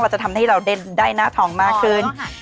จะทำให้เราได้หน้าทองมากขึ้น